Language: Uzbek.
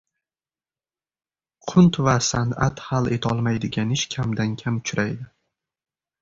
Qunt va san’at hal etolmaydigan ish kamdan-kam uchraydi.